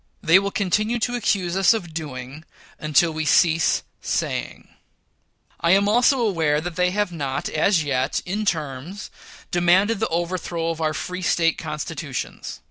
They will continue to accuse us of doing, until we cease saying. I am also aware they have not as yet, in terms, demanded the overthrow of our free State constitutions.